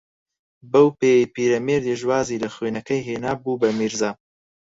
بەو پێیەی پیرەمێردیش وازی لە خوێندنەکەی ھێنا، بوو بە میرزا